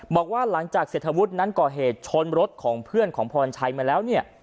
บอกว่าหลังจากเศรษฐวุฒินั้นก่อเหตุชนรถของเพื่อนของพรชัยมาแล้วเนี่ย